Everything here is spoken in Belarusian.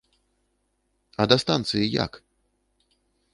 А да станцыі як?